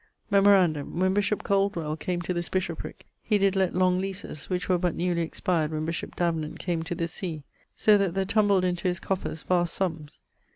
Memorandum: when bishop Coldwell[DK] came to this bishoprick, he did lett long leases, which were but newly expired when bishop Davenant came to this sea; so that there tumbled into his coffers vast summes.